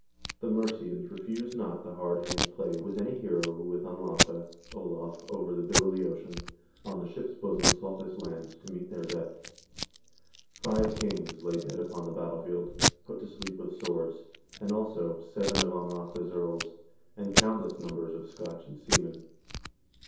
The Mercians refused not the hard hand play with any hero who with Anlafe (Olav) over the billowy ocean, on the ships' bosom sought this land, to meet their death. Five kings lay dead upon the battlefield, put to sleep with swords, and, also, seven of Anlafe's earls, and countless numbers of Scotch and seamen.